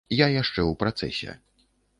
Я яшчэ ў працэсе.